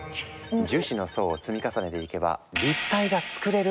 「樹脂の層を積み重ねていけば立体が作れる！！」